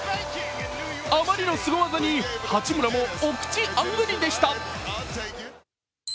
あまりのスゴ技に八村もお口あんぐりでした。